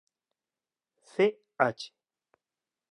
Ce hache